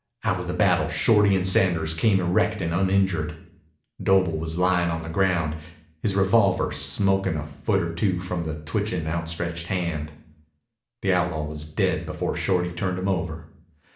Out of the battle Shorty and Sanders came erect and uninjured. Doble was lying on the ground, his revolver smoking a foot or two from the twitching, outstretched hand. The outlaw was dead before Shorty turned him over.